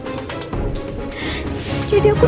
aku pengen punya anak sayang